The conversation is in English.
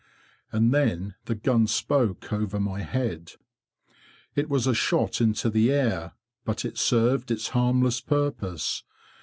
And then the gun spoke over my head. It was a shot into the air, but it served its harmless purpose.